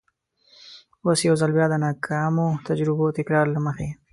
اوس یو ځل بیا د ناکامو تجربو تکرار له مخې.